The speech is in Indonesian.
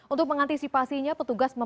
untuk mengantisipasinya petugas